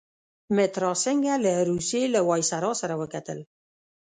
مترا سینګه له روسيې له ویسرا سره وکتل.